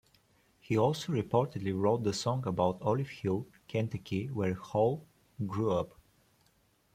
He also reportedly wrote the song about Olive Hill, Kentucky, where Hall grew up.